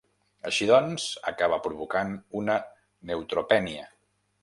Així doncs, acaba provocant una neutropènia.